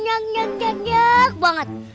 yang yang yang yang yang banget